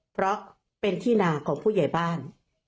เพราะเป็นที่นาของผู้ใหญ่บ้าน